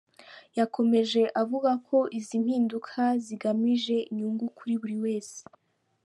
Yakomeje avuga ko izi mpinduka zigamije inyungu kuri buri wese.